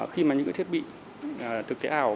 khi mà những cái thiết bị thực thể ảo